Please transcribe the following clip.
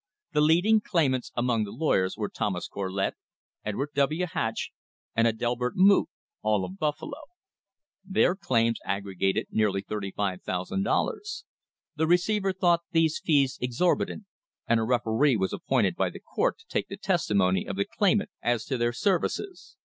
The leading claimants among the lawyers were Thomas Corlett, Edward W. Hatch and Adelbert Moot, all of Buffalo. Their claims aggregated nearly $35,000. The receiver thought these fees exorbitant, and a referee was appointed by the court to take the testimony of the claimant as to their services.